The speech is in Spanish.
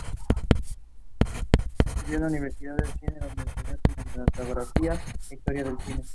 Estudió en la Universidad del Cine, donde enseñó cinematografía e historia del cine.